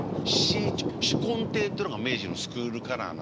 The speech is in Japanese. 紫紺亭ってのが明治のスクールカラーなんです。